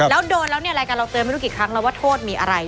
แล้วโดนแล้วเนี่ยรายการเราเตือนไม่รู้กี่ครั้งแล้วว่าโทษมีอะไร